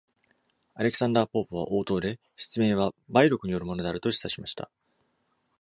アレクサンダー・ポープは応答で、失明は梅毒によるものであると示唆しました。